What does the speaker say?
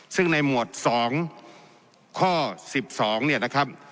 ซึ่งในหมวด๒ข้อ๑๒เนี่ยนะครับ